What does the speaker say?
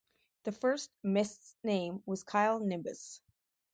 The first Mist's name was Kyle Nimbus.